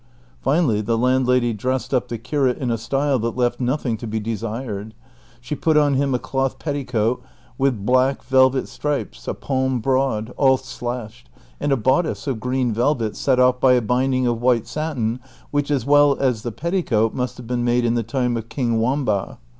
Finally the landlady dressed up the curate in a style that left nothing to be desired ; she put on him a cloth petticoat with black velvet stripes a palm broad, all slashed, and a bodice of green velvet set off by a binding of white satin, which as well as the petticoat must have been made in the time of king Wamba.